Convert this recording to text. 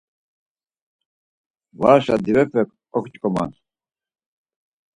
Varşa divepek oǩç̌ǩoman.